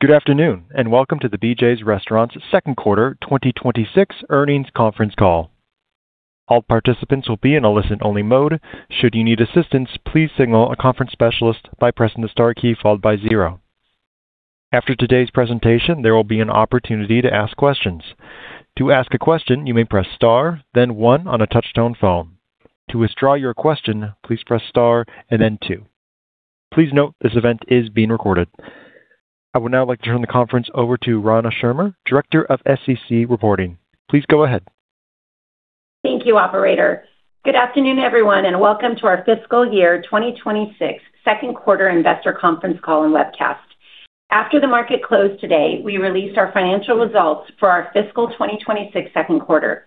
Welcome to the BJ's Restaurants Second Quarter 2026 Earnings Conference Call. All participants will be in a listen-only mode. Should you need assistance, please signal a conference specialist by pressing the star key, followed by zero. After today's presentation, there will be an opportunity to ask questions. To ask a question, you may press star then one on a touch-tone phone. To withdraw your question, please press star then two. Please note this event is being recorded. I would now like to turn the conference over to Rana Schirmer, Director of SEC Reporting. Please go ahead. Thank you, operator. Good afternoon, everyone, welcome to our fiscal year 2026 second quarter investor conference call and webcast. After the market closed today, we released our financial results for our fiscal 2026 second quarter.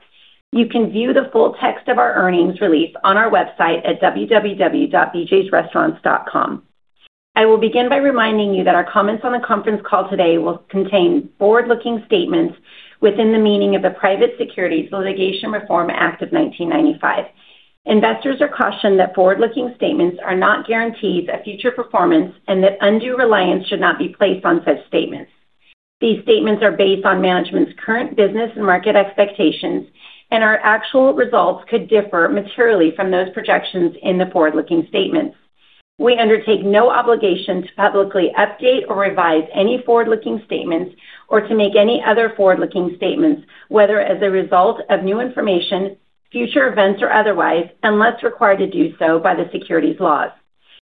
You can view the full text of our earnings release on our website at www.bjsrestaurants.com. I will begin by reminding you that our comments on the conference call today will contain forward-looking statements within the meaning of the Private Securities Litigation Reform Act of 1995. Investors are cautioned that forward-looking statements are not guarantees of future performance and that undue reliance should not be placed on such statements. These statements are based on management's current business and market expectations, and our actual results could differ materially from those projections in the forward-looking statements. We undertake no obligation to publicly update or revise any forward-looking statements or to make any other forward-looking statements, whether as a result of new information, future events, or otherwise, unless required to do so by the securities laws.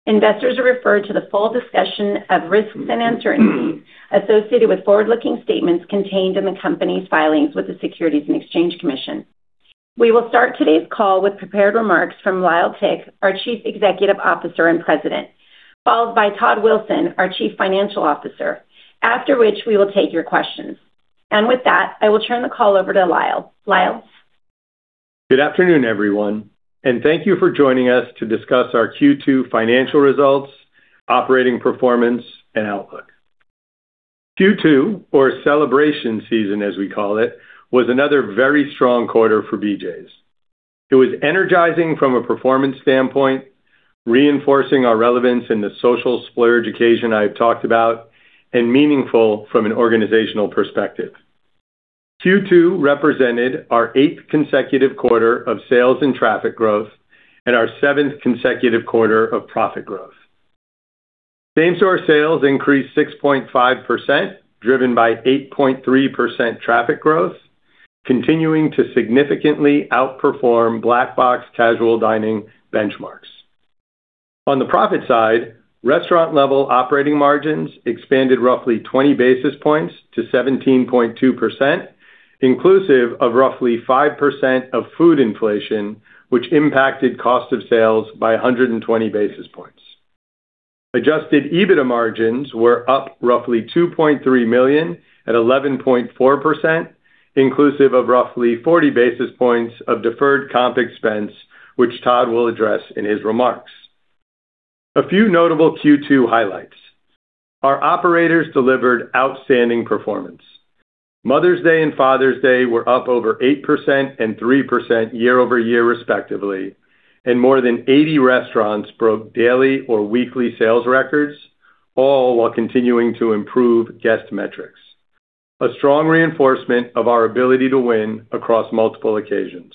Investors are referred to the full discussion of risks and uncertainties associated with forward-looking statements contained in the company's filings with the Securities and Exchange Commission. We will start today's call with prepared remarks from Lyle Tick, our Chief Executive Officer and President, followed by Todd Wilson, our Chief Financial Officer. After which, we will take your questions. With that, I will turn the call over to Lyle. Lyle? Good afternoon, everyone, thank you for joining us to discuss our Q2 financial results, operating performance, and outlook. Q2, or celebration season, as we call it, was another very strong quarter for BJ's. It was energizing from a performance standpoint, reinforcing our relevance in the social splurge occasion I have talked about, and meaningful from an organizational perspective. Q2 represented our eighth consecutive quarter of sales and traffic growth and our seventh consecutive quarter of profit growth. Same-store sales increased 6.5%, driven by 8.3% traffic growth, continuing to significantly outperform Black Box casual dining benchmarks. On the profit side, restaurant-level operating margins expanded roughly 20 basis points to 17.2%, inclusive of roughly 5% of food inflation, which impacted cost of sales by 120 basis points. Adjusted EBITDA margins were up roughly $2.3 million at 11.4%, inclusive of roughly 40 basis points of deferred comp expense, which Todd will address in his remarks. A few notable Q2 highlights. Our operators delivered outstanding performance. Mother's Day and Father's Day were up over 8% and 3% year-over-year respectively, and more than 80 restaurants broke daily or weekly sales records, all while continuing to improve guest metrics. A strong reinforcement of our ability to win across multiple occasions.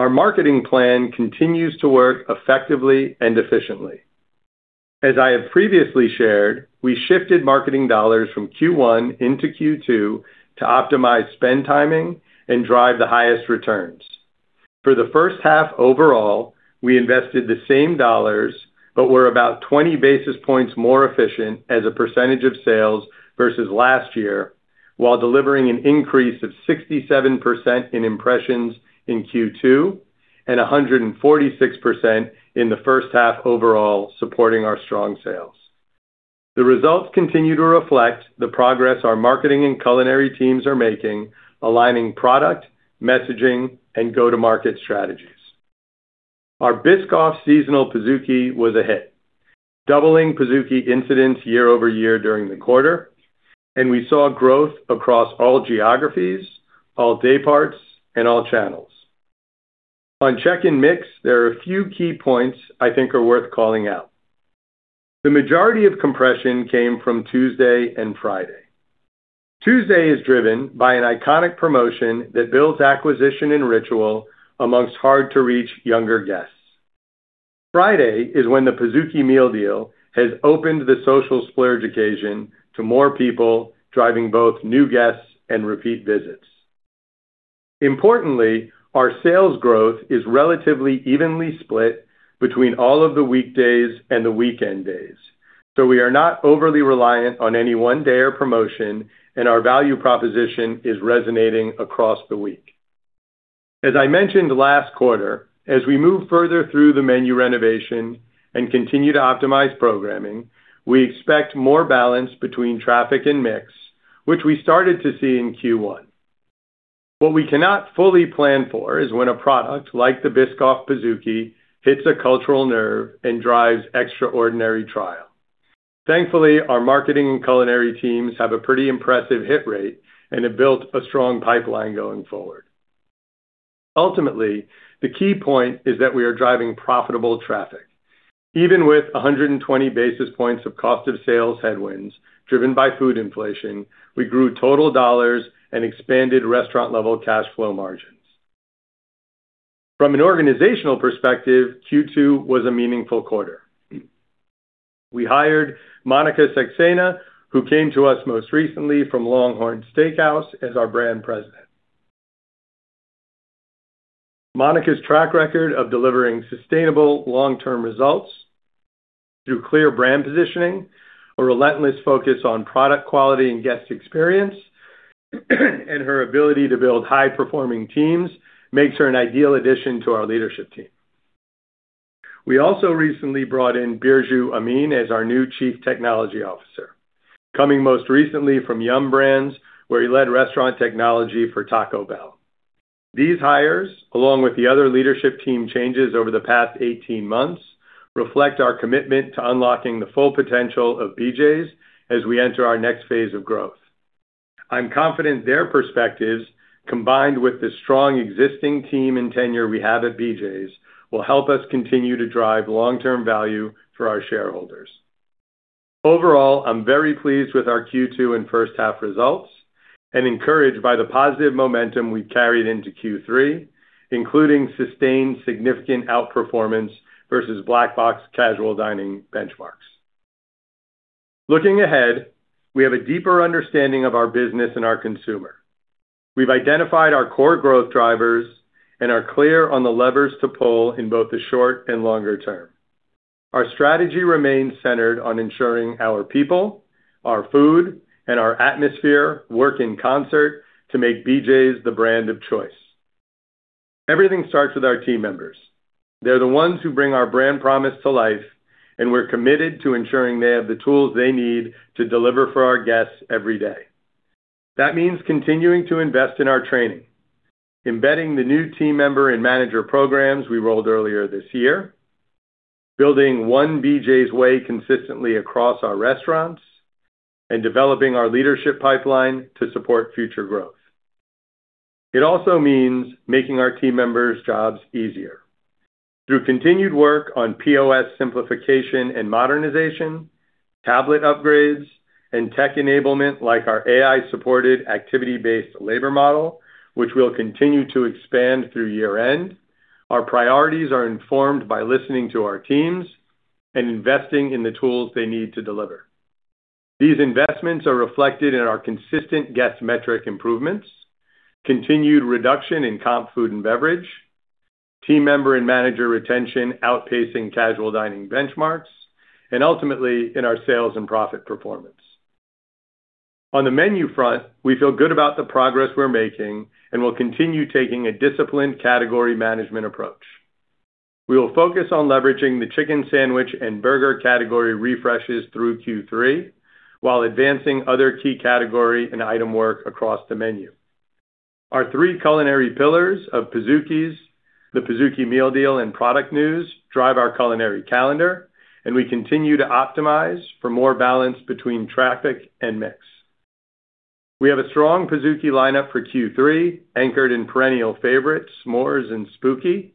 Our marketing plan continues to work effectively and efficiently. As I have previously shared, I shifted marketing dollars from Q1 into Q2 to optimize spend timing and drive the highest returns. For the first half overall, we invested the same dollars, but we are about 20 basis points more efficient as a percentage of sales versus last year, while delivering an increase of 67% in impressions in Q2 and 146% in the first half overall, supporting our strong sales. The results continue to reflect the progress our marketing and culinary teams are making, aligning product, messaging, and go-to-market strategies. Our Biscoff seasonal Pizookie was a hit, doubling Pizookie incidents year-over-year during the quarter, and we saw growth across all geographies, all day parts, and all channels. On check and mix, there are a few key points I think are worth calling out. The majority of compression came from Tuesday and Friday. Tuesday is driven by an iconic promotion that builds acquisition and ritual amongst hard-to-reach younger guests. Friday is when the Pizookie Meal Deal has opened the social splurge occasion to more people, driving both new guests and repeat visits. Importantly, our sales growth is relatively evenly split between all of the weekdays and the weekend days. We are not overly reliant on any one day or promotion, and our value proposition is resonating across the week. As I mentioned last quarter, as we move further through the menu renovation and continue to optimize programming, we expect more balance between traffic and mix, which we started to see in Q1. What we cannot fully plan for is when a product, like the Biscoff Pizookie, hits a cultural nerve and drives extraordinary trial. Thankfully, our marketing and culinary teams have a pretty impressive hit rate and have built a strong pipeline going forward. Ultimately, the key point is that we are driving profitable traffic. Even with 120 basis points of cost of sales headwinds driven by food inflation, we grew total dollars and expanded restaurant-level cash flow margins. From an organizational perspective, Q2 was a meaningful quarter. We hired Monika Saxena, who came to us most recently from LongHorn Steakhouse, as our Brand President. Monika's track record of delivering sustainable long-term results through clear brand positioning, a relentless focus on product quality and guest experience, and her ability to build high-performing teams makes her an ideal addition to our leadership team. We also recently brought in Birju Amin as our new Chief Technology Officer, coming most recently from Yum! Brands, where he led restaurant technology for Taco Bell. These hires, along with the other leadership team changes over the past 18 months, reflect our commitment to unlocking the full potential of BJ's as we enter our next phase of growth. I'm confident their perspectives, combined with the strong existing team and tenure we have at BJ's, will help us continue to drive long-term value for our shareholders. Overall, I'm very pleased with our Q2 and first half results and encouraged by the positive momentum we've carried into Q3, including sustained significant outperformance versus Black Box casual dining benchmarks. Looking ahead, we have a deeper understanding of our business and our consumer. We've identified our core growth drivers and are clear on the levers to pull in both the short and longer term. Our strategy remains centered on ensuring our people, our food, and our atmosphere work in concert to make BJ's the brand of choice. Everything starts with our team members. They're the ones who bring our brand promise to life, and we're committed to ensuring they have the tools they need to deliver for our guests every day. That means continuing to invest in our training, embedding the new team member and manager programs we rolled earlier this year, building one BJ's way consistently across our restaurants, and developing our leadership pipeline to support future growth. It also means making our team members' jobs easier. Through continued work on POS simplification and modernization, tablet upgrades, and tech enablement, like our AI-supported activity-based labor model, which we'll continue to expand through year-end, our priorities are informed by listening to our teams and investing in the tools they need to deliver. These investments are reflected in our consistent guest metric improvements, continued reduction in comp food and beverage, team member and manager retention outpacing casual dining benchmarks, and ultimately, in our sales and profit performance. On the menu front, we feel good about the progress we're making and will continue taking a disciplined category management approach. We will focus on leveraging the chicken sandwich and burger category refreshes through Q3 while advancing other key category and item work across the menu. Our three culinary pillars of Pizookies, the Pizookie Meal Deal, and product news drive our culinary calendar, and we continue to optimize for more balance between traffic and mix. We have a strong Pizookie lineup for Q3, anchored in perennial favorites S'mores and Spooky,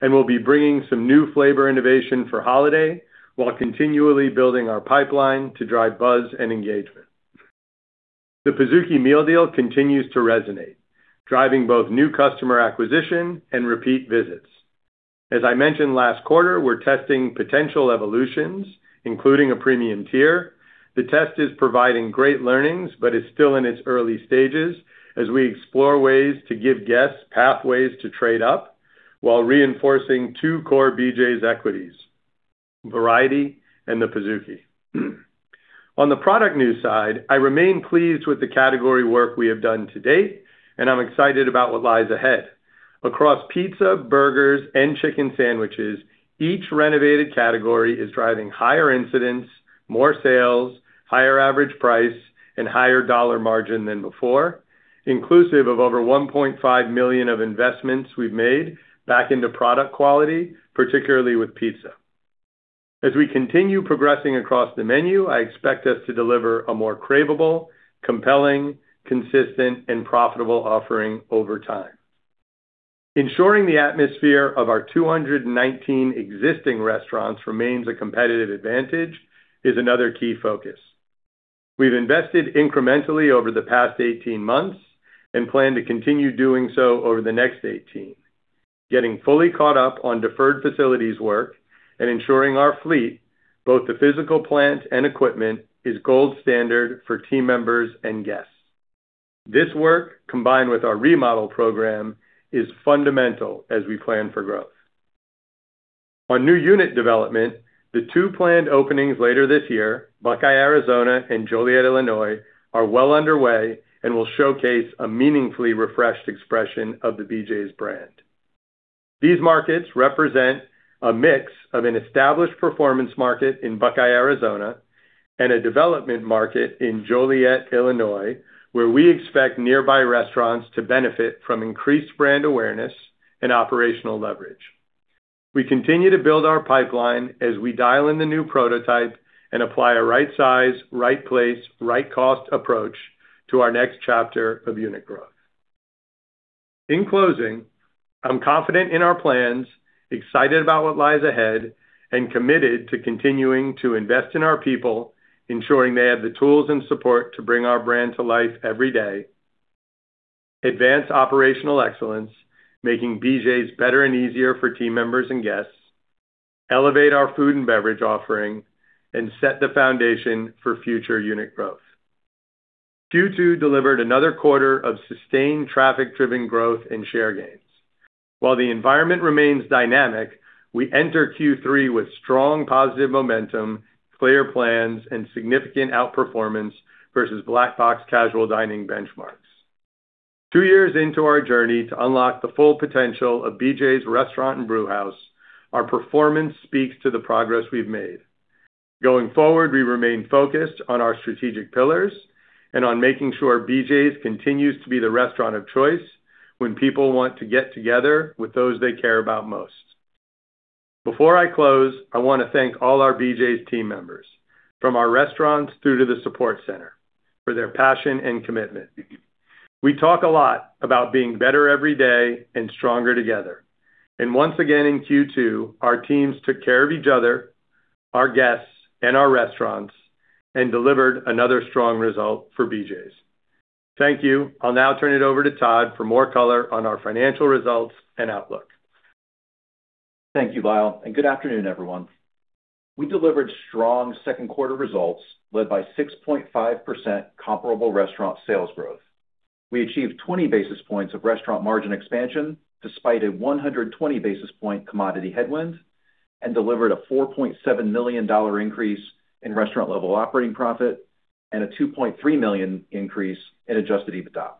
and we'll be bringing some new flavor innovation for holiday while continually building our pipeline to drive buzz and engagement. The Pizookie Meal Deal continues to resonate, driving both new customer acquisition and repeat visits. As I mentioned last quarter, we're testing potential evolutions, including a premium tier. The test is providing great learnings, but it's still in its early stages as we explore ways to give guests pathways to trade up while reinforcing two core BJ's equities, variety and the Pizookie. On the product news side, I remain pleased with the category work we have done to date, and I'm excited about what lies ahead. Across pizza, burgers, and chicken sandwiches, each renovated category is driving higher incidents, more sales, higher average price, and higher dollar margin than before, inclusive of over $1.5 million of investments we've made back into product quality, particularly with pizza. As we continue progressing across the menu, I expect us to deliver a more craveable, compelling, consistent, and profitable offering over time. Ensuring the atmosphere of our 219 existing restaurants remains a competitive advantage is another key focus. We've invested incrementally over the past 18 months and plan to continue doing so over the next 18, getting fully caught up on deferred facilities work and ensuring our fleet, both the physical plant and equipment, is gold standard for team members and guests. This work, combined with our remodel program, is fundamental as we plan for growth. On new unit development, the two planned openings later this year, Buckeye, Arizona, and Joliet, Illinois, are well underway and will showcase a meaningfully refreshed expression of the BJ's brand. These markets represent a mix of an established performance market in Buckeye, Arizona, and a development market in Joliet, Illinois, where we expect nearby restaurants to benefit from increased brand awareness and operational leverage. We continue to build our pipeline as we dial in the new prototype and apply a right size, right place, right cost approach to our next chapter of unit growth. In closing, I'm confident in our plans, excited about what lies ahead, and committed to continuing to invest in our people, ensuring they have the tools and support to bring our brand to life every day, advance operational excellence, making BJ's better and easier for team members and guests, elevate our food and beverage offering, and set the foundation for future unit growth. Q2 delivered another quarter of sustained traffic-driven growth and share gains. While the environment remains dynamic, we enter Q3 with strong positive momentum, clear plans, and significant outperformance versus Black Box casual dining benchmarks. Two years into our journey to unlock the full potential of BJ's Restaurant and Brewhouse, our performance speaks to the progress we've made. Going forward, we remain focused on our strategic pillars and on making sure BJ's continues to be the restaurant of choice when people want to get together with those they care about most. Before I close, I want to thank all our BJ's team members, from our restaurants through to the support center, for their passion and commitment. We talk a lot about being better every day and stronger together. Once again in Q2, our teams took care of each other, our guests, and our restaurants, and delivered another strong result for BJ's. Thank you. I'll now turn it over to Todd for more color on our financial results and outlook. Thank you, Lyle. Good afternoon, everyone. We delivered strong second quarter results led by 6.5% comparable restaurant sales growth. We achieved 20 basis points of restaurant margin expansion despite a 120 basis point commodity headwind, and delivered a $4.7 million increase in restaurant level operating profit and a $2.3 million increase in adjusted EBITDA.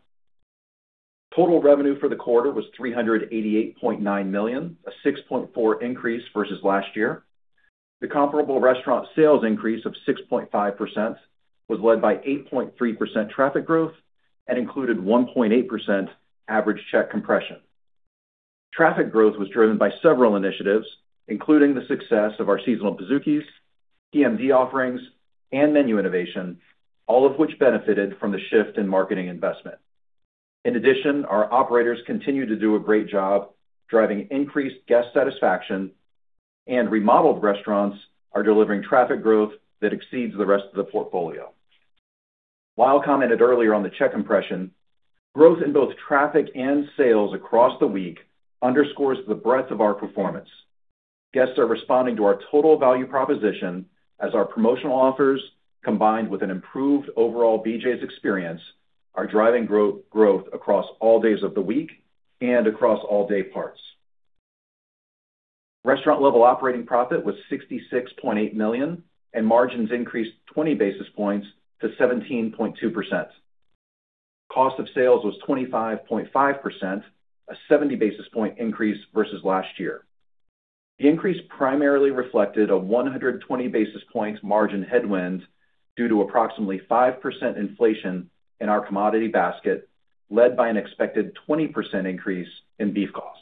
Total revenue for the quarter was $388.9 million, a 6.4% increase versus last year. The comparable restaurant sales increase of 6.5% was led by 8.3% traffic growth and included 1.8% average check compression. Traffic growth was driven by several initiatives, including the success of our seasonal Pizookies, PMD offerings, and menu innovation, all of which benefited from the shift in marketing investment. In addition, our operators continue to do a great job driving increased guest satisfaction, and remodeled restaurants are delivering traffic growth that exceeds the rest of the portfolio. Lyle commented earlier on the check compression. Growth in both traffic and sales across the week underscores the breadth of our performance. Guests are responding to our total value proposition as our promotional offers, combined with an improved overall BJ's experience, are driving growth across all days of the week and across all day parts. Restaurant level operating profit was $66.8 million, and margins increased 20 basis points to 17.2%. Cost of sales was 25.5%, a 70 basis point increase versus last year. The increase primarily reflected a 120 basis points margin headwind due to approximately 5% inflation in our commodity basket, led by an expected 20% increase in beef costs.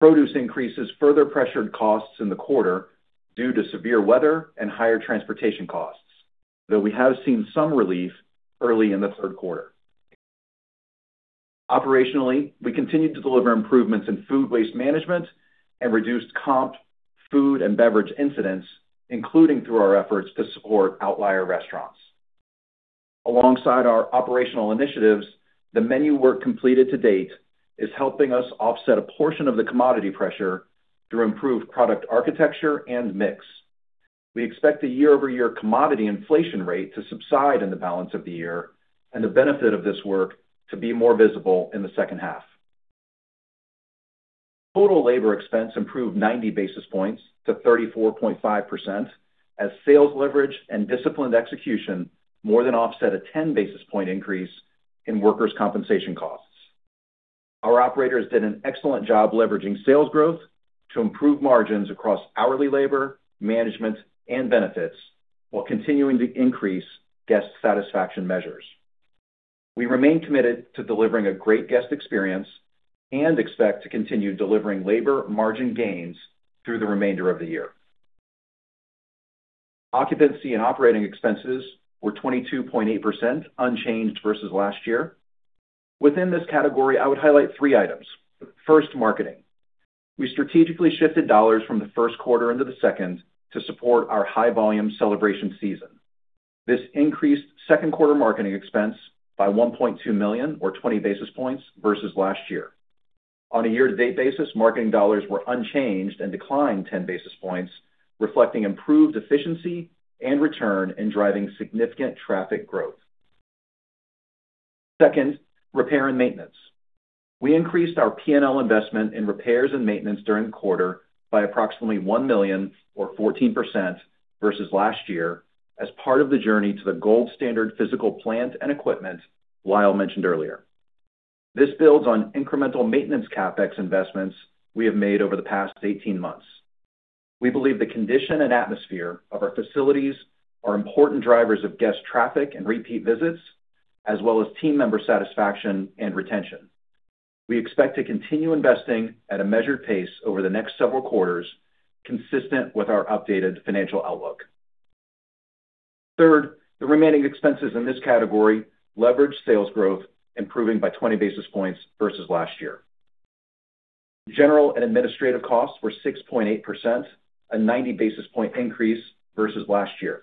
Produce increases further pressured costs in the quarter due to severe weather and higher transportation costs, though we have seen some relief early in the third quarter. Operationally, we continued to deliver improvements in food waste management and reduced comp food and beverage incidents, including through our efforts to support outlier restaurants. Alongside our operational initiatives, the menu work completed to date is helping us offset a portion of the commodity pressure through improved product architecture and mix. We expect the year-over-year commodity inflation rate to subside in the balance of the year and the benefit of this work to be more visible in the second half. Total labor expense improved 90 basis points to 34.5% as sales leverage and disciplined execution more than offset a 10 basis point increase in workers' compensation costs. Our operators did an excellent job leveraging sales growth to improve margins across hourly labor, management, and benefits while continuing to increase guest satisfaction measures. We remain committed to delivering a great guest experience and expect to continue delivering labor margin gains through the remainder of the year. Occupancy and operating expenses were 22.8%, unchanged versus last year. Within this category, I would highlight three items. First, marketing. We strategically shifted dollars from the first quarter into the second to support our high volume celebration season. This increased second quarter marketing expense by $1.2 million or 20 basis points versus last year. On a year-to-date basis, marketing dollars were unchanged and declined 10 basis points, reflecting improved efficiency and return in driving significant traffic growth. Second, repair and maintenance. We increased our P&L investment in repairs and maintenance during the quarter by approximately $1 million or 14% versus last year as part of the journey to the gold standard physical plant and equipment Lyle mentioned earlier. This builds on incremental maintenance CapEx investments we have made over the past 18 months. We believe the condition and atmosphere of our facilities are important drivers of guest traffic and repeat visits, as well as team member satisfaction and retention. We expect to continue investing at a measured pace over the next several quarters, consistent with our updated financial outlook. Third, the remaining expenses in this category leverage sales growth, improving by 20 basis points versus last year. General and administrative costs were 6.8%, a 90 basis point increase versus last year.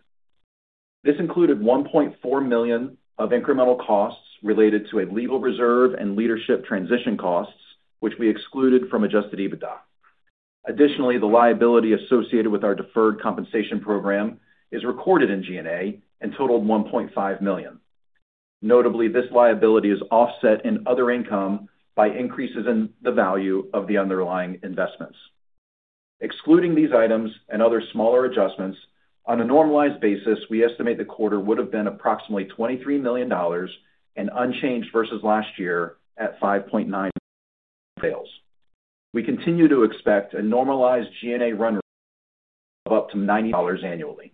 This included $1.4 million of incremental costs related to a legal reserve and leadership transition costs, which we excluded from adjusted EBITDA. Additionally, the liability associated with our deferred compensation program is recorded in G&A and totaled $1.5 million. Notably, this liability is offset in other income by increases in the value of the underlying investments. Excluding these items and other smaller adjustments, on a normalized basis, we estimate the quarter would have been approximately $23 million and unchanged versus last year at $5.9 million sales. We continue to expect a normalized G&A run rate of up to $90 annually.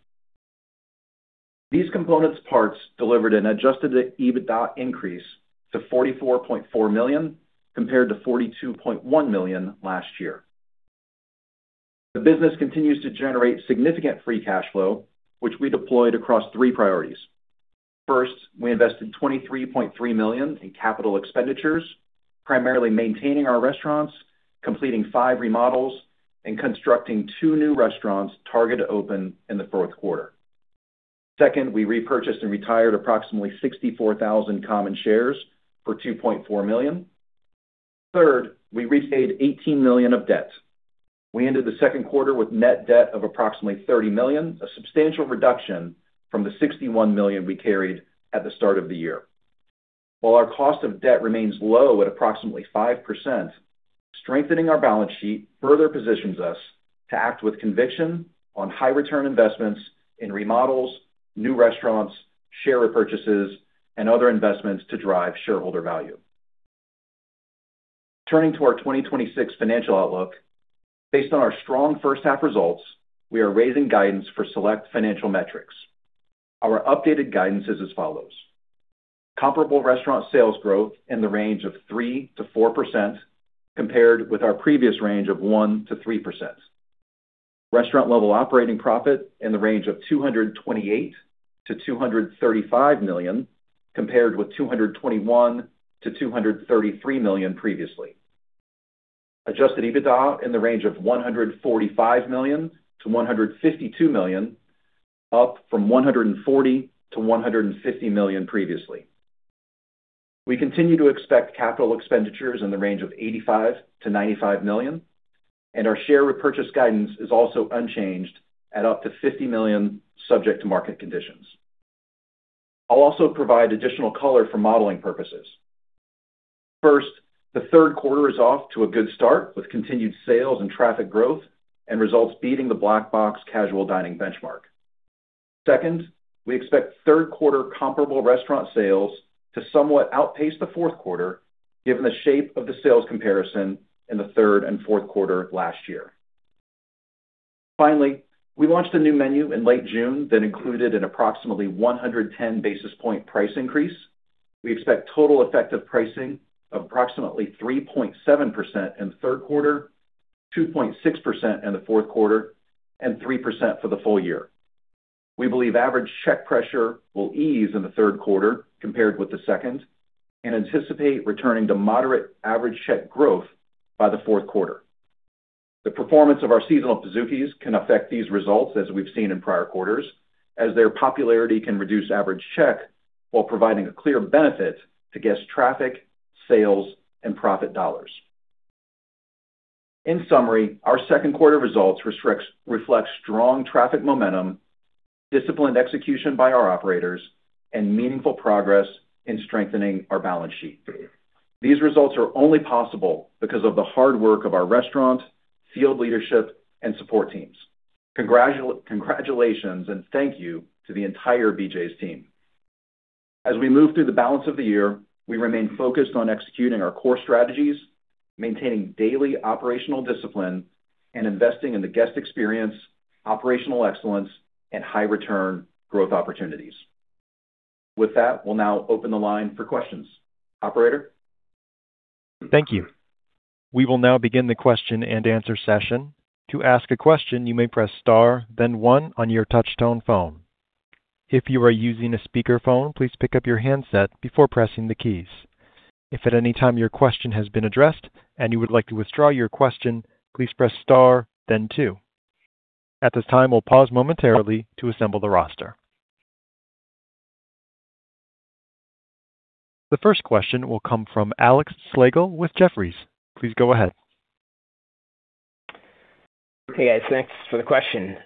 These components parts delivered an adjusted EBITDA increase to $44.4 million compared to $42.1 million last year. The business continues to generate significant free cash flow, which we deployed across three priorities. First, we invested $23.3 million in capital expenditures, primarily maintaining our restaurants, completing five remodels, and constructing two new restaurants targeted to open in the fourth quarter. Second, we repurchased and retired approximately 64,000 common shares for $2.4 million. Third, we repaid $18 million of debt. We ended the second quarter with net debt of approximately $30 million, a substantial reduction from the $61 million we carried at the start of the year. While our cost of debt remains low at approximately 5%, strengthening our balance sheet further positions us to act with conviction on high return investments in remodels, new restaurants, share repurchases, and other investments to drive shareholder value. Turning to our 2026 financial outlook, based on our strong first half results, we are raising guidance for select financial metrics. Our updated guidance is as follows. Comparable restaurant sales growth in the range of 3%-4%, compared with our previous range of 1%-3%. Restaurant level operating profit in the range of $228 million-$235 million, compared with $221 million-$233 million previously. Adjusted EBITDA in the range of $145 million-$152 million, up from $140 million-$150 million previously. We continue to expect capital expenditures in the range of $85 million-$95 million, and our share repurchase guidance is also unchanged at up to $50 million, subject to market conditions. I'll also provide additional color for modeling purposes. First, the third quarter is off to a good start with continued sales and traffic growth and results beating the Black Box casual dining benchmark. Second, we expect third quarter comparable restaurant sales to somewhat outpace the fourth quarter, given the shape of the sales comparison in the third and fourth quarter of last year. Finally, we launched a new menu in late June that included an approximately 110 basis point price increase. We expect total effective pricing of approximately 3.7% in the third quarter, 2.6% in the fourth quarter, and 3% for the full year. We believe average check pressure will ease in the third quarter compared with the second, and anticipate returning to moderate average check growth by the fourth quarter. The performance of our seasonal Pizookies can affect these results, as we've seen in prior quarters, as their popularity can reduce average check while providing a clear benefit to guest traffic, sales, and profit dollars. In summary, our second quarter results reflect strong traffic momentum, disciplined execution by our operators, and meaningful progress in strengthening our balance sheet. These results are only possible because of the hard work of our restaurant, field leadership, and support teams. Congratulations, and thank you to the entire BJ's team. As we move through the balance of the year, we remain focused on executing our core strategies, maintaining daily operational discipline, and investing in the guest experience, operational excellence, and high return growth opportunities. With that, we'll now open the line for questions. Operator? Thank you. We will now begin the question and answer session. To ask a question, you may press star then one on your touchtone phone. If you are using a speakerphone, please pick up your handset before pressing the keys. If at any time your question has been addressed and you would like to withdraw your question, please press star then two. At this time, we'll pause momentarily to assemble the roster. The first question will come from Alex Slagle with Jefferies. Please go ahead. Hey, guys. Thanks for the question.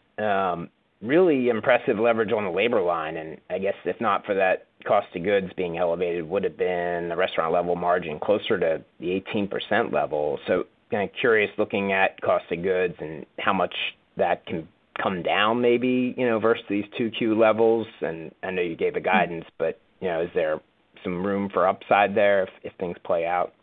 Really impressive leverage on the labor line. I guess if not for that cost of goods being elevated, would have been the restaurant level margin closer to the 18% level. Curious looking at cost of goods and how much that can come down maybe versus these 2Q levels. I know you gave the guidance, but is there some room for upside there if things play out?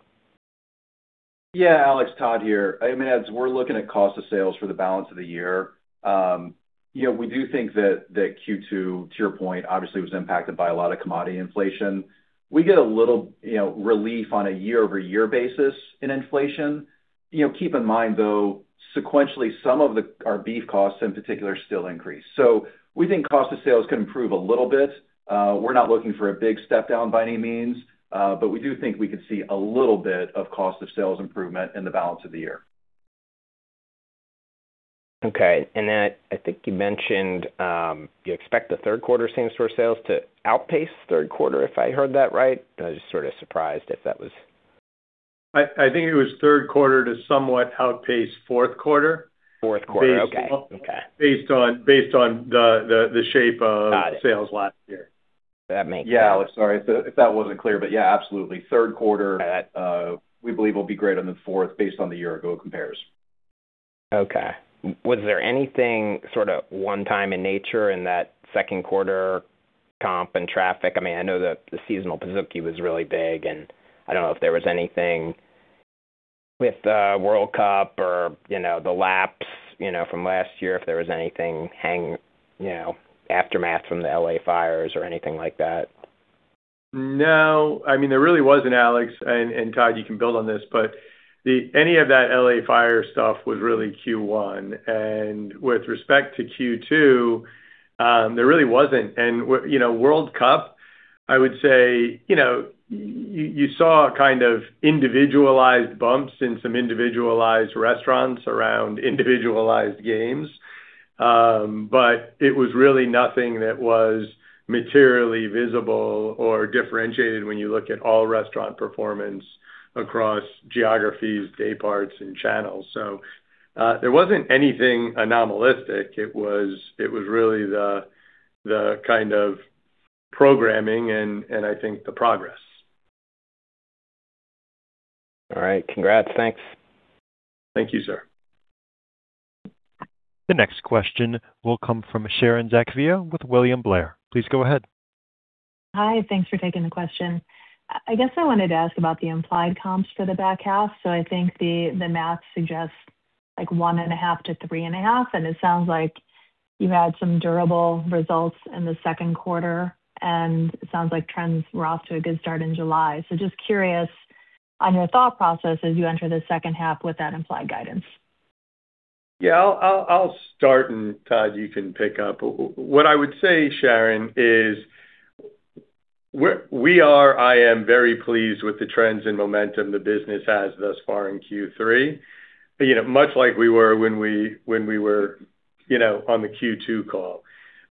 Yeah, Alex, Todd here. As we're looking at cost of sales for the balance of the year, we do think that Q2, to your point, obviously was impacted by a lot of commodity inflation. We get a little relief on a year-over-year basis in inflation. Keep in mind, though, sequentially, some of our beef costs in particular still increase. We think cost of sales can improve a little bit. We're not looking for a big step down by any means, but we do think we could see a little bit of cost of sales improvement in the balance of the year. Okay. I think you mentioned, you expect the third quarter same store sales to outpace third quarter, if I heard that right. I was just sort of surprised if that was. I think it was third quarter to somewhat outpace fourth quarter. Fourth quarter, okay. Based on the shape of sales last year. That makes sense. Yeah, Alex, sorry if that wasn't clear, but yeah, absolutely. Third quarter. We believe will be greater than fourth based on the year ago compares. Okay. Was there anything sort of one-time in nature in that second quarter comp and traffic? I know that the seasonal Pizookie was really big, and I don't know if there was anything with World Cup or the lapse from last year, if there was anything aftermath from the L.A. fires or anything like that? No, there really wasn't, Alex, Todd, you can build on this, but any of that L.A. fire stuff was really Q1. With respect to Q2, there really wasn't. World Cup, I would say, you saw kind of individualized bumps in some individualized restaurants around individualized games. It was really nothing that was materially visible or differentiated when you look at all restaurant performance across geographies, day parts, and channels. There wasn't anything anomalistic. It was really the kind of programming and I think the progress. All right. Congrats. Thanks. Thank you, sir. The next question will come from Sharon Zackfia with William Blair. Please go ahead. Hi. Thanks for taking the question. I guess I wanted to ask about the implied comps for the back half. I think the math suggests like 1.5% to 3.5%, and it sounds like you had some durable results in the second quarter, and it sounds like trends were off to a good start in July. Just curious on your thought process as you enter the second half with that implied guidance. I'll start and Todd, you can pick up. What I would say, Sharon, is we are, I am very pleased with the trends and momentum the business has thus far in Q3. Much like we were when we were on the Q2 call.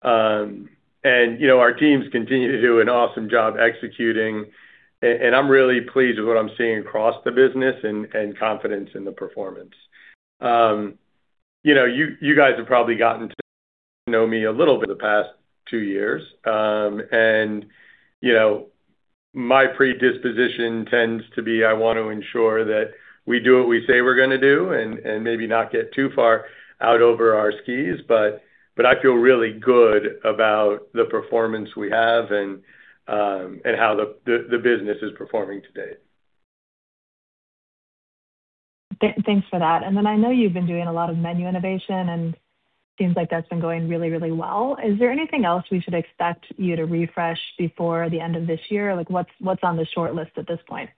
Our teams continue to do an awesome job executing, and I'm really pleased with what I'm seeing across the business and confidence in the performance. You guys have probably gotten to know me a little bit the past two years. My predisposition tends to be, I want to ensure that we do what we say we're going to do and maybe not get too far out over our skis, but I feel really good about the performance we have and how the business is performing to date. Thanks for that. I know you've been doing a lot of menu innovation, and seems like that's been going really, really well. Is there anything else we should expect you to refresh before the end of this year? What's on the short list at this point?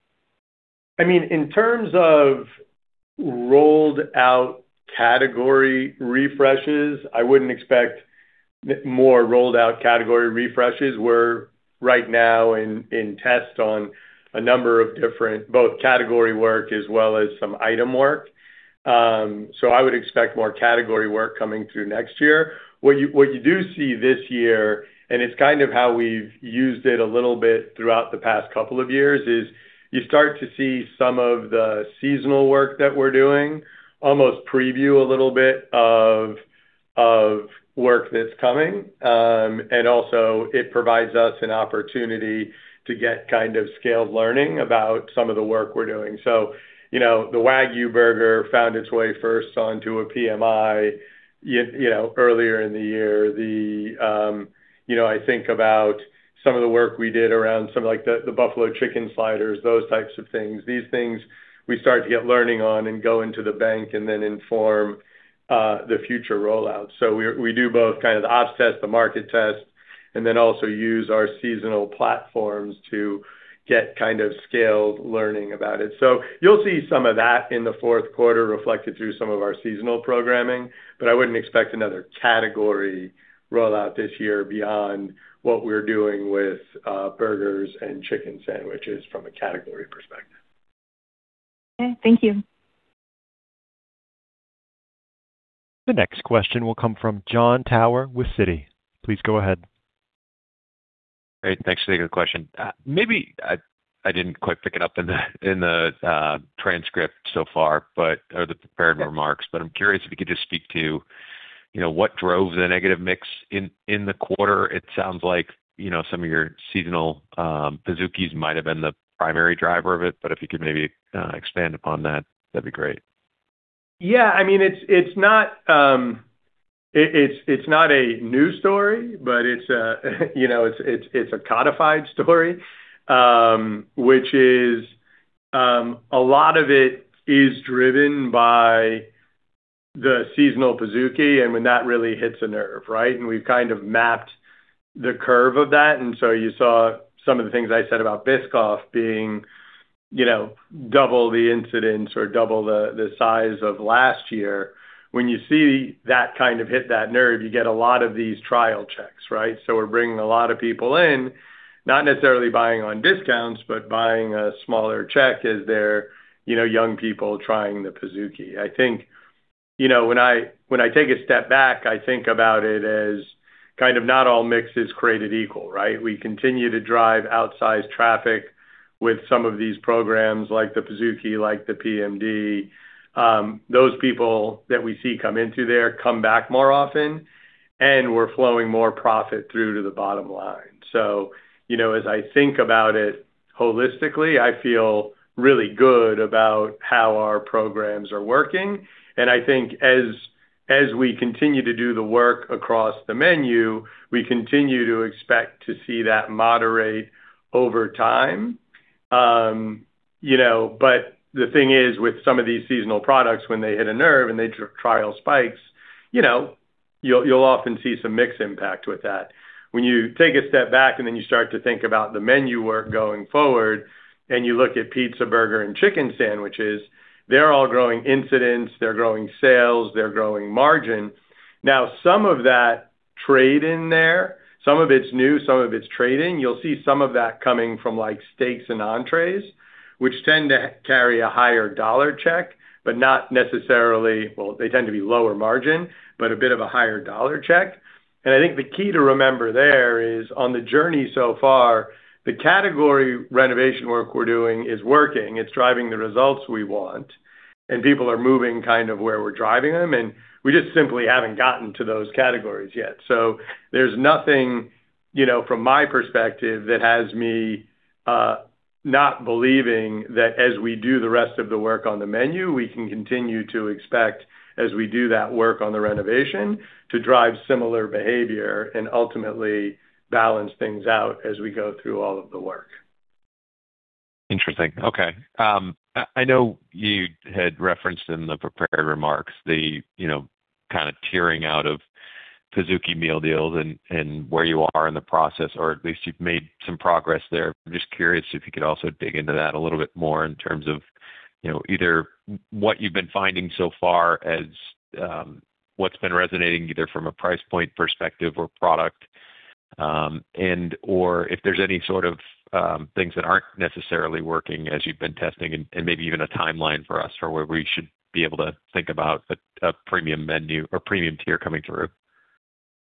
In terms of rolled out category refreshes, I wouldn't expect more rolled out category refreshes. We're right now in test on a number of different, both category work as well as some item work. I would expect more category work coming through next year. What you do see this year, and it's kind of how we've used it a little bit throughout the past couple of years, is you start to see some of the seasonal work that we're doing almost preview a little bit of work that's coming. It provides us an opportunity to get scaled learning about some of the work we're doing. The Wagyu Burger found its way first onto a PMI earlier in the year. I think about some of the work we did around some of the buffalo chicken sliders, those types of things. These things we start to get learning on and go into the bank and inform the future rollout. We do both the ops test, the market test, and also use our seasonal platforms to get scaled learning about it. You'll see some of that in the fourth quarter reflected through some of our seasonal programming, but I wouldn't expect another category rollout this year beyond what we're doing with burgers and chicken sandwiches from a category perspective. Okay. Thank you. The next question will come from Jon Tower with Citi. Please go ahead. Great. Thanks. Good question. Maybe I didn't quite pick it up in the transcript so far, or the prepared remarks, but I'm curious if you could just speak to what drove the negative mix in the quarter. It sounds like some of your seasonal Pizookies might have been the primary driver of it, but if you could maybe expand upon that'd be great. Yeah. It's not a new story, but it's a codified story, which is, a lot of it is driven by the seasonal Pizookie, when that really hits a nerve, right? We've kind of mapped the curve of that. You saw some of the things I said about Biscoff being double the incidence or double the size of last year. When you see that kind of hit that nerve, you get a lot of these trial checks, right? We're bringing a lot of people in, not necessarily buying on discounts, but buying a smaller check as they're young people trying the Pizookie. When I take a step back, I think about it as kind of not all mix is created equal, right? We continue to drive outsized traffic with some of these programs like the Pizookie, like the PMD. Those people that we see come into there come back more often, we're flowing more profit through to the bottom line. As I think about it holistically, I feel really good about how our programs are working. I think as we continue to do the work across the menu, we continue to expect to see that moderate over time. The thing is, with some of these seasonal products, when they hit a nerve and they trial spikes, you'll often see some mix impact with that. When you take a step back, you start to think about the menu work going forward, you look at pizza, burger, and chicken sandwiches, they're all growing incidents, they're growing sales, they're growing margin. Now, some of that trade in there, some of it's new, some of it's trading. You'll see some of that coming from steaks and entrees, which tend to carry a higher dollar check, but they tend to be lower margin, but a bit of a higher dollar check. I think the key to remember there is on the journey so far, the category renovation work we're doing is working. It's driving the results we want, people are moving where we're driving them, we just simply haven't gotten to those categories yet. There's nothing, from my perspective, that has me not believing that as we do the rest of the work on the menu, we can continue to expect, as we do that work on the renovation, to drive similar behavior and ultimately balance things out as we go through all of the work. Interesting. Okay. I know you had referenced in the prepared remarks the kind of tiering out of Pizookie Meal Deals and where you are in the process, or at least you've made some progress there. I'm just curious if you could also dig into that a little bit more in terms of either what you've been finding so far as what's been resonating, either from a price point perspective or product, and/or if there's any sort of things that aren't necessarily working as you've been testing and maybe even a timeline for us for where we should be able to think about a premium menu or premium tier coming through.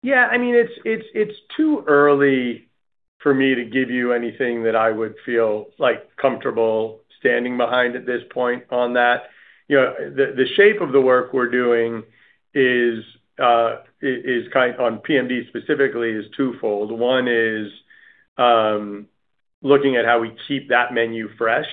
Yeah. It's too early for me to give you anything that I would feel comfortable standing behind at this point on that. The shape of the work we're doing on PMD specifically is twofold. One is looking at how we keep that menu fresh.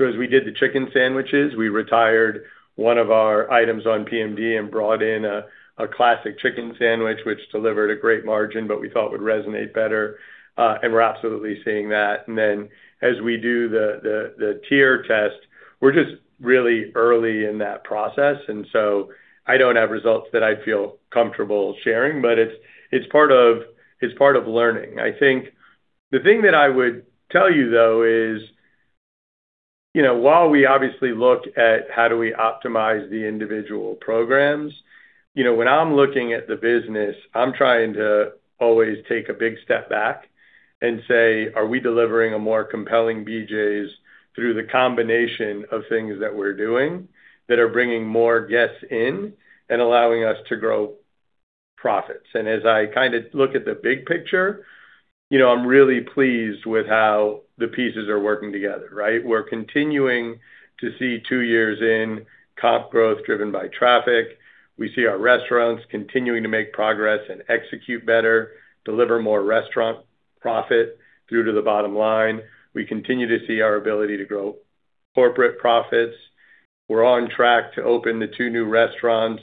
As we did the chicken sandwiches, we retired one of our items on PMD and brought in a classic chicken sandwich, which delivered a great margin, but we thought would resonate better. We're absolutely seeing that. As we do the tier test, we're just really early in that process, and so I don't have results that I feel comfortable sharing, but it's part of learning. I think the thing that I would tell you, though, is while we obviously look at how do we optimize the individual programs, when I'm looking at the business, I'm trying to always take a big step back and say, "Are we delivering a more compelling BJ's through the combination of things that we're doing that are bringing more guests in and allowing us to grow profits?" As I look at the big picture, I'm really pleased with how the pieces are working together, right? We're continuing to see two years in comp growth driven by traffic. We see our restaurants continuing to make progress and execute better, deliver more restaurant profit through to the bottom line. We continue to see our ability to grow corporate profits. We're on track to open the two new restaurants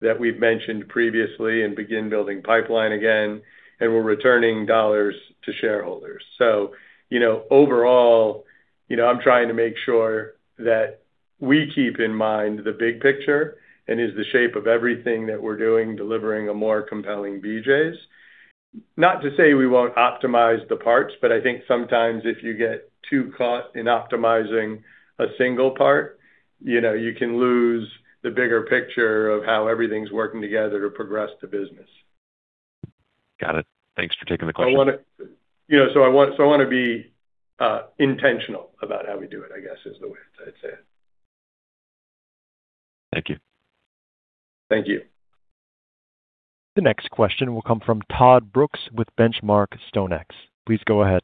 that we've mentioned previously and begin building pipeline again. We're returning dollars to shareholders. Overall, I'm trying to make sure that we keep in mind the big picture and is the shape of everything that we're doing delivering a more compelling BJ's. Not to say we won't optimize the parts, I think sometimes if you get too caught in optimizing a single part, you can lose the bigger picture of how everything's working together to progress the business. Got it. Thanks for taking the question. I want to be intentional about how we do it, I guess is the way I'd say it. Thank you. Thank you. The next question will come from Todd Brooks with Benchmark StoneX. Please go ahead.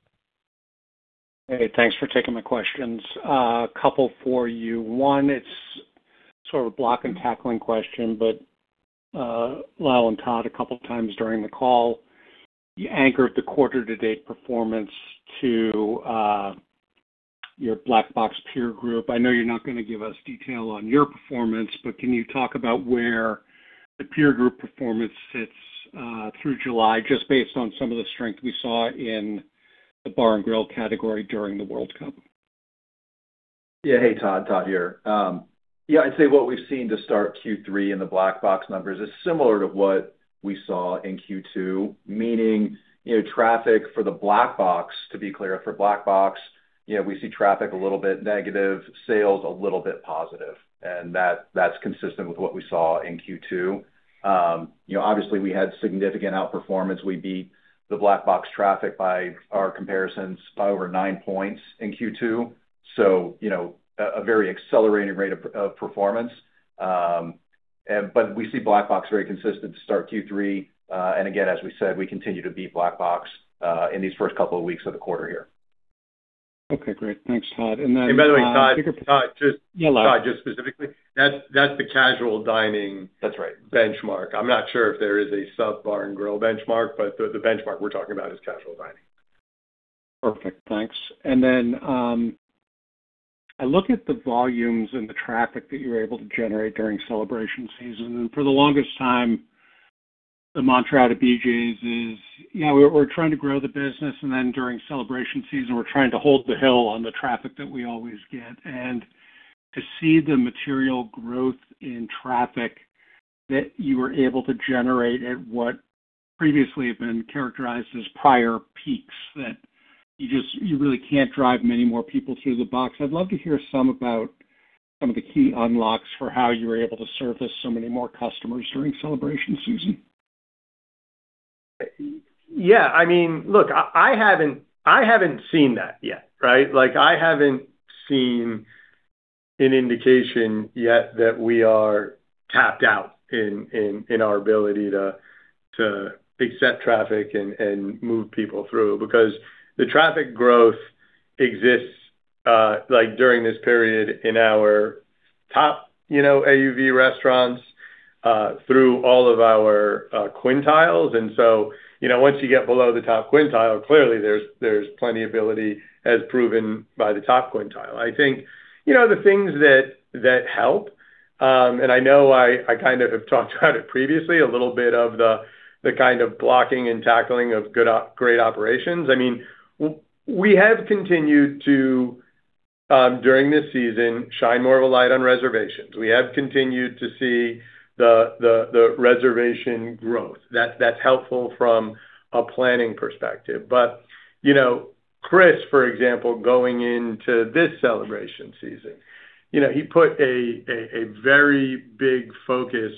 Hey, thanks for taking my questions. A couple for you. One, it's sort of a block-and-tackling question. Lyle and Todd, a couple times during the call, you anchored the quarter-to-date performance to your Black Box peer group. I know you're not going to give us detail on your performance, but can you talk about where the peer group performance sits through July, just based on some of the strength we saw in the bar and grill category during the World Cup? Yeah. Hey, Todd. Todd here. Yeah, I'd say what we've seen to start Q3 in the Black Box numbers is similar to what we saw in Q2, meaning traffic for the Black Box, to be clear, for Black Box, we see traffic a little bit negative, sales a little bit positive. That's consistent with what we saw in Q2. Obviously, we had significant outperformance. We beat the Black Box traffic by our comparisons by over 9 points in Q2. A very accelerated rate of performance. We see Black Box very consistent to start Q3. Again, as we said, we continue to beat Black Box in these first couple of weeks of the quarter here. Okay, great. Thanks, Todd. By the way, Todd. You're welcome. Todd, just specifically, that's the casual dining. That's right. Benchmark. I'm not sure if there is a sub bar and grill benchmark, but the benchmark we're talking about is casual dining. Perfect. Thanks. Then, I look at the volumes and the traffic that you're able to generate during celebration season, for the longest time, the mantra at a BJ's is, we're trying to grow the business, then during celebration season, we're trying to hold the hill on the traffic that we always get. To see the material growth in traffic that you were able to generate at what previously have been characterized as prior peaks, that you really can't drive many more people through the box. I'd love to hear some about some of the key unlocks for how you were able to service so many more customers during celebration season. Yeah. Look, I haven't seen that yet, right? I haven't seen an indication yet that we are tapped out in our ability to accept traffic and move people through. Because the traffic growth exists during this period in our top AUV restaurants, through all of our quintiles. So, once you get below the top quintile, clearly there's plenty ability, as proven by the top quintile. I think the things that help, I know I kind of have talked about it previously, a little bit of the kind of blocking and tackling of great operations. We have continued to, during this season, shine more of a light on reservations. We have continued to see the reservation growth. That's helpful from a planning perspective. Chris, for example, going into this celebration season, he put a very big focus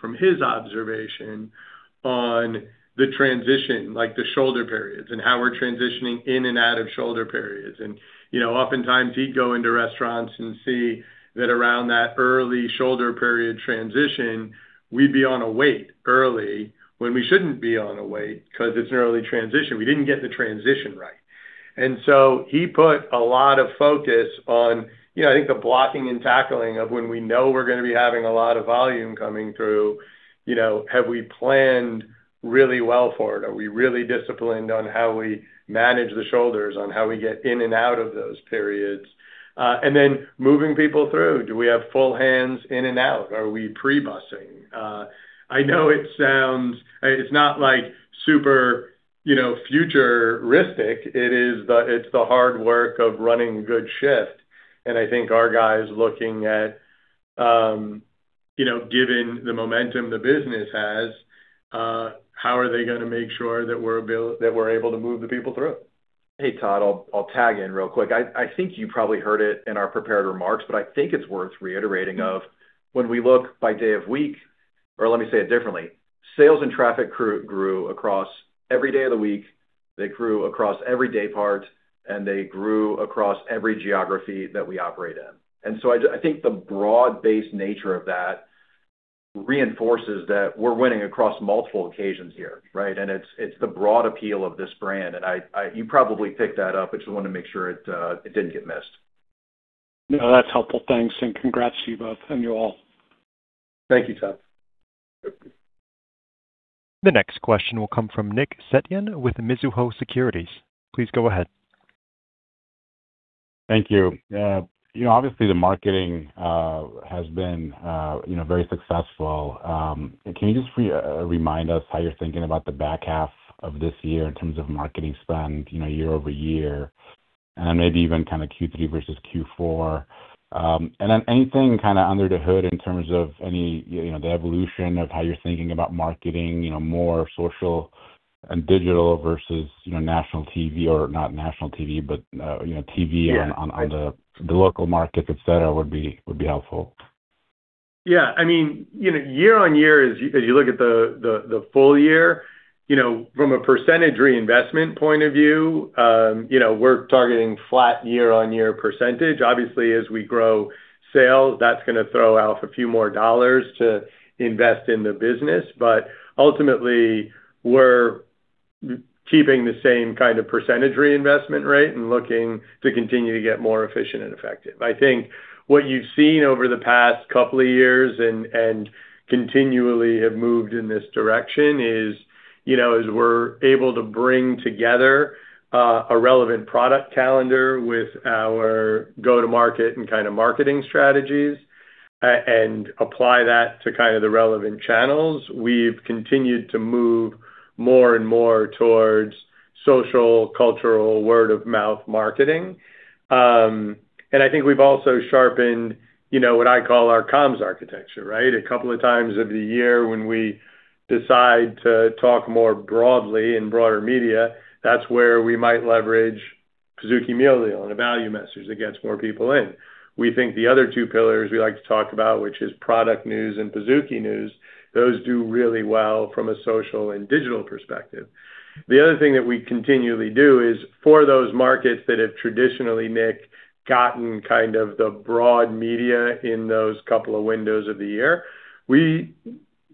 from his observation on the transition, like the shoulder periods and how we're transitioning in and out of shoulder periods. Oftentimes he'd go into restaurants and see that around that early shoulder period transition, we'd be on a wait early when we shouldn't be on a wait because it's an early transition. We didn't get the transition right. So he put a lot of focus on, I think, the blocking and tackling of when we know we're going to be having a lot of volume coming through, have we planned really well for it? Are we really disciplined on how we manage the shoulders, on how we get in and out of those periods? Then moving people through, do we have full hands in and out? Are we pre-busing? I know it's not super futuristic. It's the hard work of running a good shift, and I think our guys looking at, given the momentum the business has, how are they going to make sure that we're able to move the people through? Hey, Todd, I'll tag in real quick. I think you probably heard it in our prepared remarks, but I think it's worth reiterating of when we look by day of week, or let me say it differently. Sales and traffic grew across every day of the week, they grew across every day part, and they grew across every geography that we operate in. I think the broad-based nature of that reinforces that we're winning across multiple occasions here, right? It's the broad appeal of this brand, and you probably picked that up, I just wanted to make sure it didn't get missed. No, that's helpful. Thanks, and congrats to you both, and you all. Thank you, Todd. Yep. The next question will come from Nick Setyan with Mizuho Securities. Please go ahead. Thank you. Obviously, the marketing has been very successful. Can you just remind us how you're thinking about the back half of this year in terms of marketing spend year-over-year, then maybe even Q3 versus Q4? Anything under the hood in terms of the evolution of how you're thinking about marketing, more social and digital versus national TV, or not national TV, but TV on the local markets, et cetera, would be helpful. Yeah. Year-on-year, as you look at the full year, from a percentage reinvestment point of view, we're targeting flat year-on-year percentage. Obviously, as we grow sales, that's going to throw off a few more dollars to invest in the business. Ultimately, we're keeping the same kind of percentage reinvestment rate and looking to continue to get more efficient and effective. I think what you've seen over the past couple of years, and continually have moved in this direction is, as we're able to bring together a relevant product calendar with our go-to-market and kind of marketing strategies. Apply that to kind of the relevant channels. We've continued to move more and more towards social, cultural, word of mouth marketing. I think we've also sharpened what I call our comms architecture, right? A couple of times of the year when we decide to talk more broadly in broader media, that's where we might leverage Pizookie Meal Deal and a value message that gets more people in. We think the other two pillars we like to talk about, which is product news and Pizookie news, those do really well from a social and digital perspective. The other thing that we continually do is for those markets that have traditionally, Nick, gotten kind of the broad media in those couple of windows of the year, we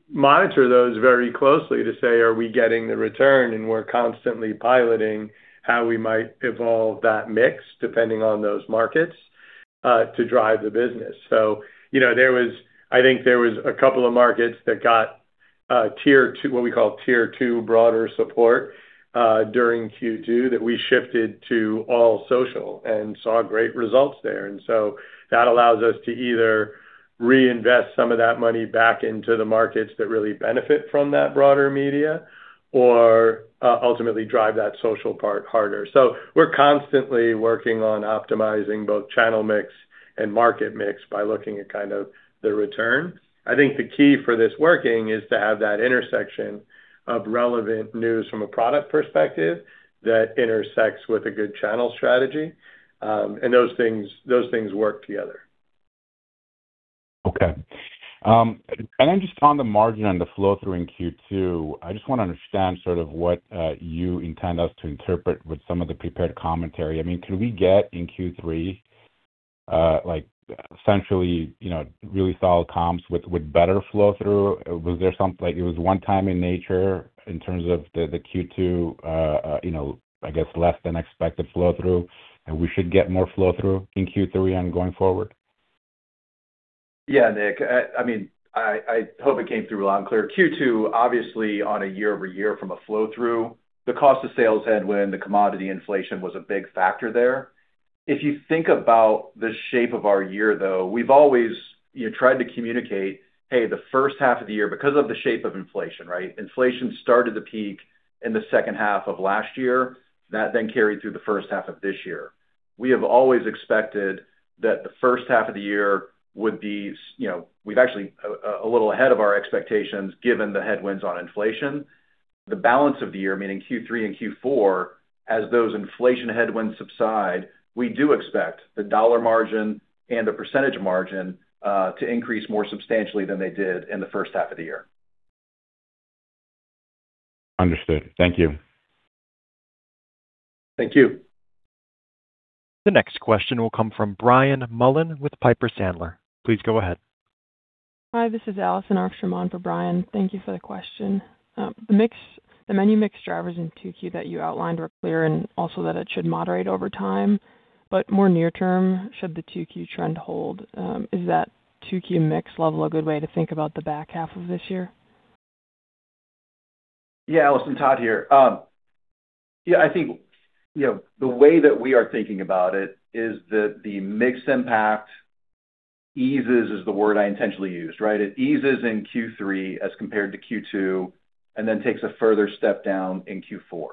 monitor those very closely to say, "Are we getting the return?" We're constantly piloting how we might evolve that mix depending on those markets, to drive the business. I think there was a couple of markets that got what we call Tier 2 broader support during Q2 that we shifted to all social and saw great results there. That allows us to either reinvest some of that money back into the markets that really benefit from that broader media or, ultimately drive that social part harder. We're constantly working on optimizing both channel mix and market mix by looking at kind of the return. I think the key for this working is to have that intersection of relevant news from a product perspective that intersects with a good channel strategy, and those things work together. Okay. Just on the margin on the flow through in Q2, I just want to understand sort of what you intend us to interpret with some of the prepared commentary. Could we get in Q3, essentially, really solid comps with better flow through? Was there some, like it was one time in nature in terms of the Q2, I guess, less than expected flow through? We should get more flow through in Q3 and going forward? Yeah, Nick. I hope it came through loud and clear. Q2 obviously on a year-over-year from a flow through, the cost of sales headwind, the commodity inflation was a big factor there. If you think about the shape of our year, though, we've always tried to communicate, "Hey, the first half of the year," because of the shape of inflation, right? Inflation started to peak in the second half of last year, that then carried through the first half of this year. We have always expected that the first half of the year would be--we've actually a little ahead of our expectations given the headwinds on inflation. The balance of the year, meaning Q3 and Q4, as those inflation headwinds subside, we do expect the dollar margin and the percentage margin to increase more substantially than they did in the first half of the year. Understood. Thank you. Thank you. The next question will come from Brian Mullan with Piper Sandler. Please go ahead. Hi, this is Allison Arfstrom on for Brian. Thank you for the question. The menu mix drivers in 2Q that you outlined were clear and also that it should moderate over time. More near term, should the 2Q trend hold? Is that 2Q mix level a good way to think about the back half of this year? Yeah, Allison, Todd here. Yeah, I think the way that we are thinking about it is that the mix impact eases, is the word I intentionally use, right? It eases in Q3 as compared to Q2, and then takes a further step down in Q4.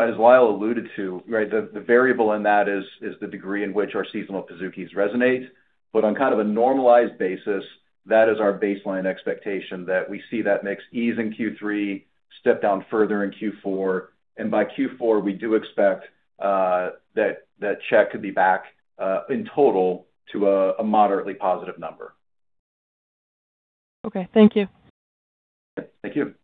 As Lyle alluded to, right, the variable in that is the degree in which our seasonal Pizookies resonate. But on kind of a normalized basis, that is our baseline expectation that we see that mix ease in Q3, step down further in Q4, and by Q4, we do expect that check could be back, in total, to a moderately positive number. Okay. Thank you. Thank you.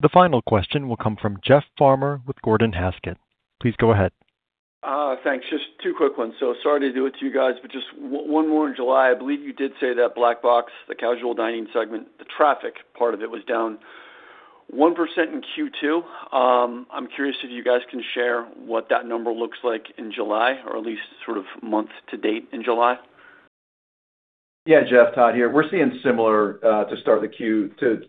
The final question will come from Jeff Farmer with Gordon Haskett. Please go ahead. Thanks. Just two quick ones. Sorry to do it to you guys, just one more on July. I believe you did say that Black Box, the casual dining segment, the traffic part of it was down 1% in Q2. I'm curious if you guys can share what that number looks like in July or at least sort of month to date in July. Yeah, Jeff, Todd here. We're seeing similar to start Q3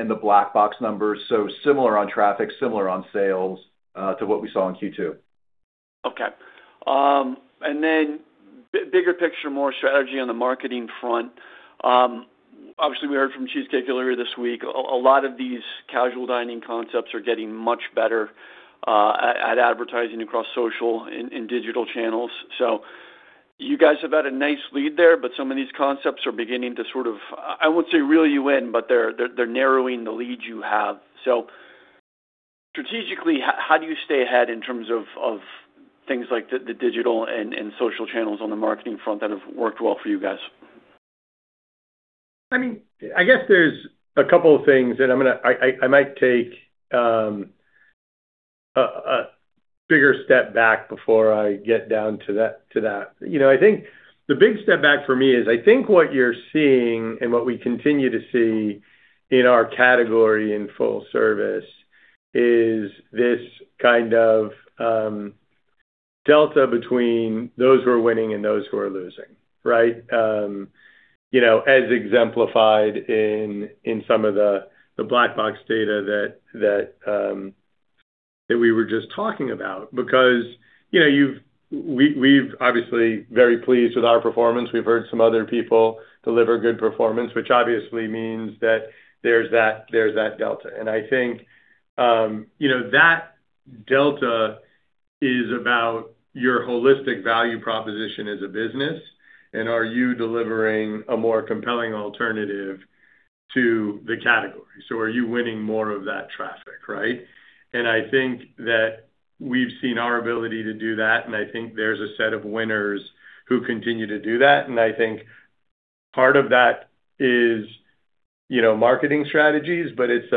in the Black Box numbers. Similar on traffic, similar on sales to what we saw in Q2. Okay. Bigger picture, more strategy on the marketing front. Obviously, we heard from Cheesecake earlier this week. A lot of these casual dining concepts are getting much better at advertising across social and digital channels. You guys have had a nice lead there, some of these concepts are beginning to sort of, I won't say reel you in, they're narrowing the lead you have. Strategically, how do you stay ahead in terms of things like the digital and social channels on the marketing front that have worked well for you guys? I guess there's a couple of things, I might take a bigger step back before I get down to that. I think the big step back for me is I think what you're seeing and what we continue to see in our category in full service is this kind of delta between those who are winning and those who are losing, right? As exemplified in some of the Black Box data that we were just talking about. We're obviously very pleased with our performance. We've heard some other people deliver good performance, which obviously means that there's that delta. I think that delta is about your holistic value proposition as a business, and are you delivering a more compelling alternative to the category? Are you winning more of that traffic, right? I think that we've seen our ability to do that, and I think there's a set of winners who continue to do that. I think part of that is marketing strategies, but it's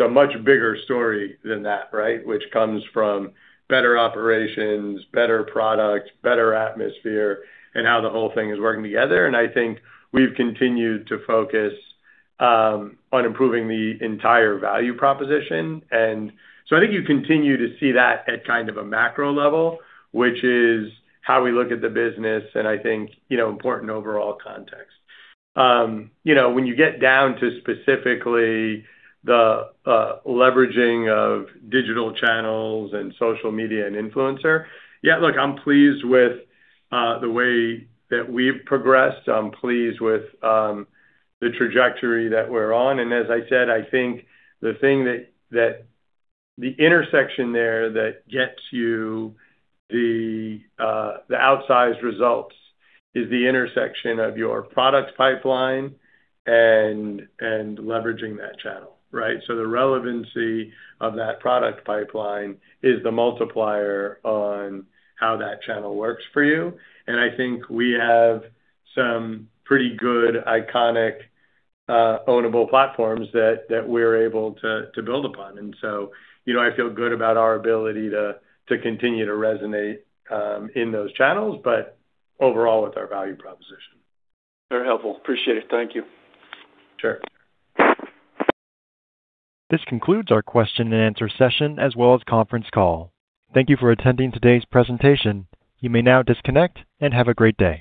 a much bigger story than that, right? Which comes from better operations, better product, better atmosphere, and how the whole thing is working together. I think we've continued to focus on improving the entire value proposition. I think you continue to see that at kind of a macro level, which is how we look at the business, and I think important overall context. When you get down to specifically the leveraging of digital channels and social media and influencer, yeah, look, I'm pleased with the way that we've progressed. I'm pleased with the trajectory that we're on. As I said, I think the intersection there that gets you the outsized results is the intersection of your product pipeline and leveraging that channel, right? The relevancy of that product pipeline is the multiplier on how that channel works for you. I think we have some pretty good, iconic, ownable platforms that we're able to build upon. I feel good about our ability to continue to resonate in those channels, but overall with our value proposition. Very helpful. Appreciate it. Thank you. Sure. This concludes our question and answer session, as well as conference call. Thank you for attending today's presentation. You may now disconnect and have a great day.